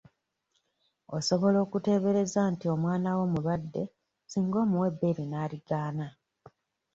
Osobola okuteebereza nti omwana wo mulwadde singa omuwa ebbeere n'aligaana.